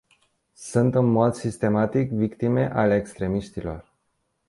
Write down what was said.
Sunt în mod sistematic victime ale extremiștilor.